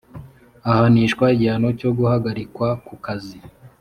ahanishwa igihano cyo guhagarikwa ku kazi